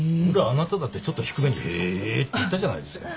あなただってちょっと低めに「へえー」って言ったじゃないですか。